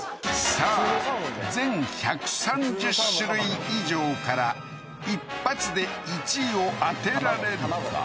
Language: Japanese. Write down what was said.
さあ全１３０種類以上から一発で１位を当てられるか？